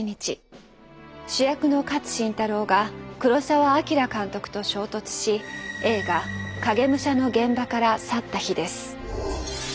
主役の勝新太郎が黒澤明監督と衝突し映画「影武者」の現場から去った日です。